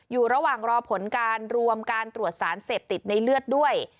อยู่ระหว่างรอผลการรวมการตรวจสารเสพติดในเลือดด้วย